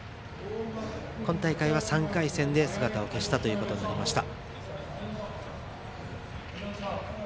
今大会は３回戦で姿を消したということになりました。